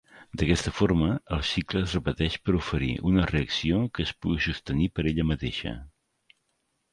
D"aquesta forma, el cicle es repeteix per oferir una reacció que es pugui sostenir per ella mateixa.